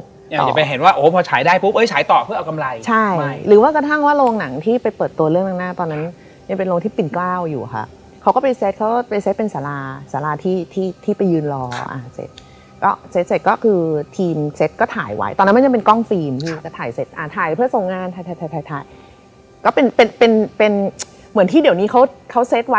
ข้างนอกอ่ะพยุมามีหมาหอนด้วย